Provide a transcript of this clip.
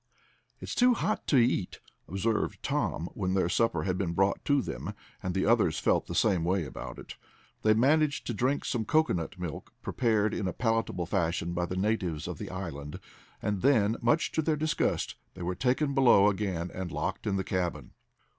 "It's too hot to eat," observed Tom, when their supper had been brought to them, and the others felt the same way about it. They managed to drink some cocoanut milk, prepared in a palatable fashion by the natives of the island, and then, much to their disgust, they were taken below again and locked in the cabin.